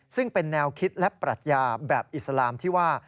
ซึ่งเป็นแนวคิดและปรัชญาแบบอิสลามที่ว่า